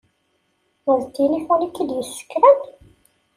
D tilifun i k-d-yessekren?